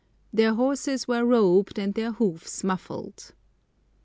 Their horses were robed and their hoofs muffled.